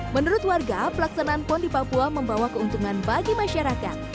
menurut warga pelaksanaan pon di papua membawa keuntungan bagi masyarakat